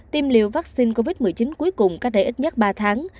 tiêm liều vaccine covid một mươi chín cuối cùng các đầy ít nhất ba tháng